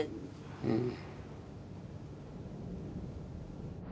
うん。